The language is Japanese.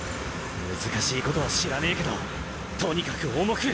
難しいことは知らねえけどとにかく重く！